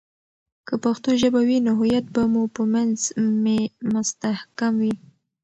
که پښتو ژبه وي، نو هویت به مو په منځ مي مستحکم وي.